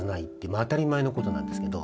当たり前のことなんですけど。